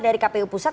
dari kpu pusat